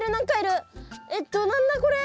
えっと何だこれ？